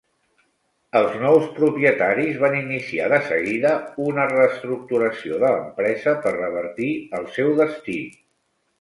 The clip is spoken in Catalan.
Els nous propietaris van iniciar de seguida una reestructuració de l'empresa per revertir el seu destí.